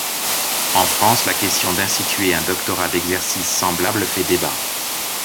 En France, la question d'instituer un doctorat d'exercice semblable fait débat.